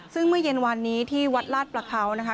ซึ่งเมื่อเย็นวันนี้ที่วัดลาดประเขานะคะ